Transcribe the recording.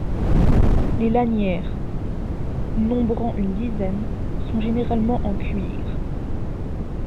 Les lanières, nombrant une dizaine, sont généralement en cuir.